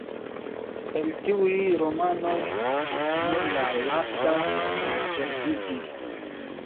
El tiuj romanoj nur la lasta konserviĝis.